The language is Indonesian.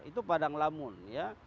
itu padang lamun ya